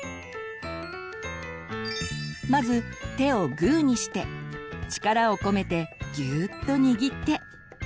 まず手をグーにして力をこめてギューッと握って。